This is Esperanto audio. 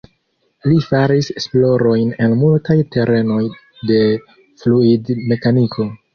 Li faris esplorojn en multaj terenoj de fluidmekaniko.